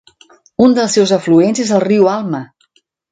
Un dels seus afluents és el riu Alma.